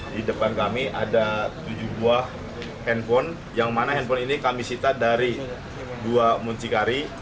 di depan kami ada tujuh buah handphone yang mana handphone ini kami sita dari dua muncikari